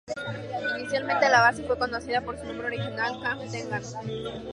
Inicialmente, la base fue conocida por su nombre original, Camp Tengan.